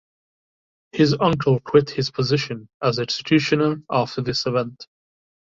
His uncle quit his position as executioner after this event.